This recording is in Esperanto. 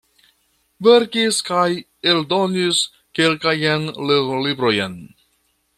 Verkis kaj eldonis kelkajn lernolibrojn.